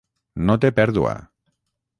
no té pèrdua